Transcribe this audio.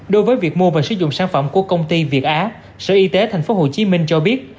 đối với việc mua và sử dụng sản phẩm của công ty việt á sở y tế tp hcm cho biết